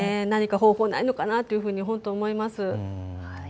何か方法がないのかなと思います。